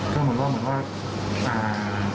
ก็เหมือนว่า